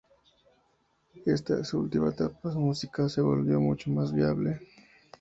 En esta, su última etapa, su música se volvió mucho más bailable.